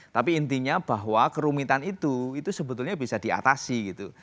tapi intinya bahwa kerumitan itu itu sebetulnya bisa diatasi gitu